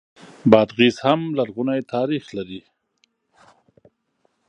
بادغیس هم لرغونی تاریخ لري